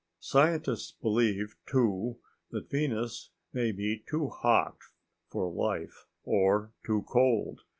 Scientists believe, too, that Venus may be too hot for life, or too cold.